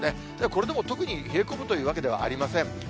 これでも特に冷え込むというわけではありません。